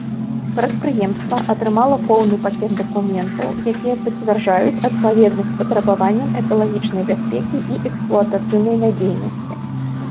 Прадпрыемства атрымала поўны пакет дакументаў, якія пацвярджаюць адпаведнасць патрабаванням экалагічнай бяспекі і эксплуатацыйнай надзейнасці.